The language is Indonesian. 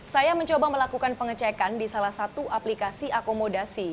saya mencoba melakukan pengecekan di salah satu aplikasi akomodasi